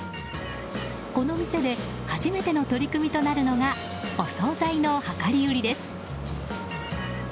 この店で初めての取り組みとなるのがお総菜の量り売りです。